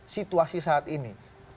situasi saat ini